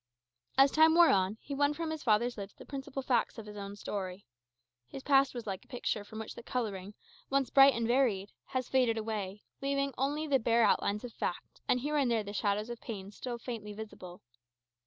As time wore on, he won from his father's lips the principal facts of his own story. His past was like a picture from which the colouring, once bright and varied, has faded away, leaving only the bare outlines of fact, and here and there the shadows of pain still faintly visible.